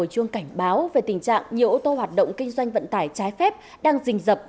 hành báo về tình trạng nhiều ô tô hoạt động kinh doanh vận tải trái phép đang dình dập